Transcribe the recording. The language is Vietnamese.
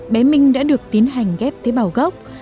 bé minh đã được tiến hành ghép tế bào gốc